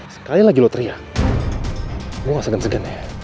sekali lagi lo teriak lo gak segan segan ya